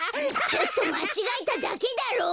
ちょっとまちがえただけだろ！